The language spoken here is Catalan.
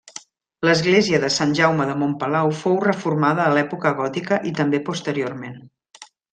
L'església de Sant Jaume de Montpalau fou reformada a l'època gòtica i també posteriorment.